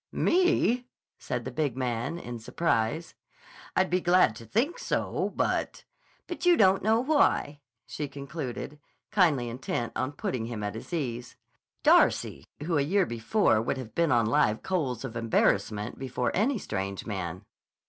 "Me?" said the big man in surprise. "I'd be glad to think so, but—" "But you don't know why," she concluded, kindly intent on putting him at his ease. (Darcy, who a year before would have been on live coals of embarrassment before any strange man!)